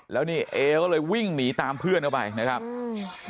แล้วนี่เอก็เลยวิ่งหนีตามเพื่อนเข้าไปนะครับอืม